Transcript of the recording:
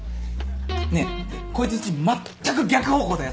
ねえこいつんちまったく逆方向だよ。